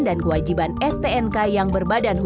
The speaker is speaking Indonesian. dan kewajiban stnk yang berbadan